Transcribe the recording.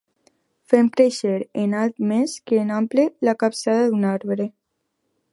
Fem créixer en alt més que en ample la capçada d'un arbre.